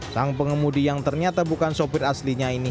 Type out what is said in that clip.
sang pengemudi yang ternyata bukan sopir aslinya ini